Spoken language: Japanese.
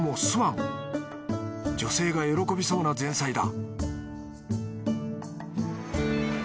女性が喜びそうな前菜だ